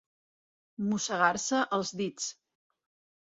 Mossegar-se els dits.